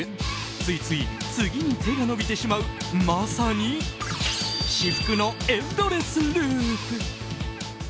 ついつい次に手が伸びてしまうまさに至福のエンドレスループ！